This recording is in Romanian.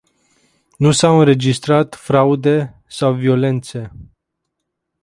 Nu s-au înregistrat fraude sau violențe.